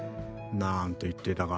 なんて言っていたが。